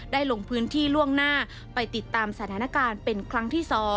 ลงพื้นที่ล่วงหน้าไปติดตามสถานการณ์เป็นครั้งที่๒